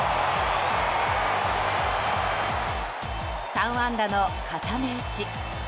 ３安打の固め打ち。